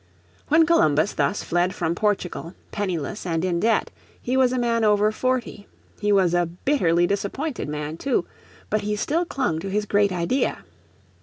When Columbus thus fled from Portugal, penniless and in debt, he was a man over forty. He was a bitterly disappointed man, too, but he still clung to his great idea.